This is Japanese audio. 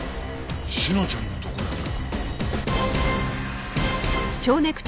志乃ちゃんのとこやな。